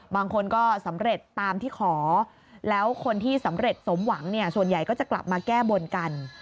บางคนก็สำเร็จตามที่ขอแล้วคนที่สำเร็จสมหวังเนี่ยส่วนใหญ่ก็จะกลับมาแก้บนกัน